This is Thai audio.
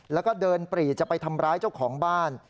แล้วก็เดินปรีจะไปทำร้ายเจ้าของบ้าน